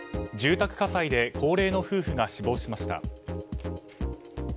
住宅火災で高齢の夫婦が死亡しました。